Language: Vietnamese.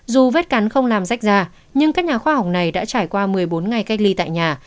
dù vết cắn không làm rách da nhưng các nhà khoa học này đã trải qua một mươi bốn ngày cách ly tại nhà